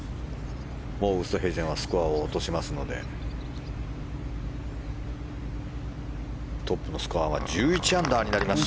もうウーストヘイゼンはスコアを落としますのでトップのスコアは１１アンダーになりました。